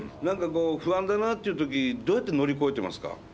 何かこう不安だなっていう時どうやって乗り越えてますか？